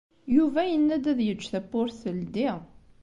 Yuba yenna-d ad yeǧǧ tawwurt teldi.